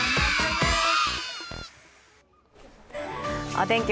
お天気